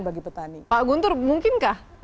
bagi petani pak guntur mungkinkah